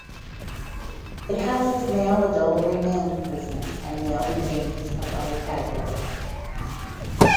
It houses male adult remand prisoners and male detainees of other categories.